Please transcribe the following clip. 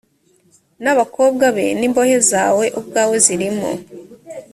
n’abakobwa be n’imbohe zawe ubwawe zirimo